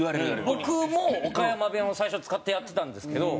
僕も岡山弁を最初使ってやってたんですけど。